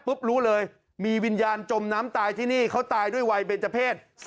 ปุ๊บรู้เลยมีวินยานจมน้ำตายที่นี่เขาตายด้วยวายเบลจเทศ